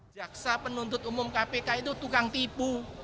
jaksa penuntut umum kpk itu tukang tipu